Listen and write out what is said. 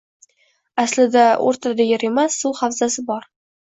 Aslida oʻrtada yer emas, suv havzasi bor